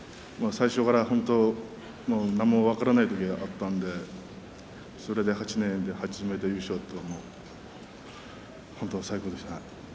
最初から何も分からない時だったんでそれで８年で初めて優勝と本当に最高でした。